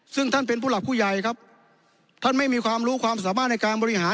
ซึ่งท่านเป็นผู้หลักผู้ใหญ่ครับท่านไม่มีความรู้ความสามารถในการบริหาร